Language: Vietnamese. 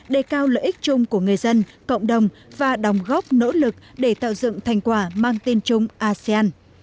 để cao lợi ích chung của người dân cộng đồng và đồng góp nỗ lực để tạo dựng thành quả mang tin chung asean